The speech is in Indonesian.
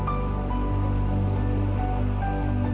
aku benci sama kamu